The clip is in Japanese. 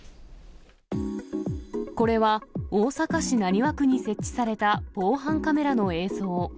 これは大阪市浪速区に設置された防犯カメラの映像。